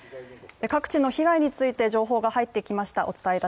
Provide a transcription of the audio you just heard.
各地の被害について情報が入ってきました。